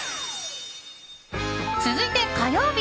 続いて、火曜日。